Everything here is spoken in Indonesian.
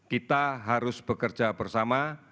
kita harus bekerja bersama